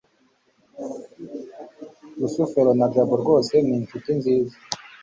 rusufero na jabo rwose ni inshuti nziza